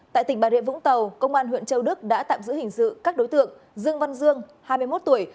tại tỉnh bà rịa vũng tàu công an huyện châu đức đã tạm giữ hình sự các đối tượng dương văn dương hai mươi một tuổi